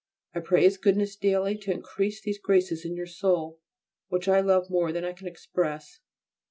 I pray His Goodness daily to increase these graces in your soul, which I love more than I can express.